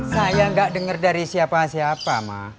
saya gak dengar dari siapa siapa ma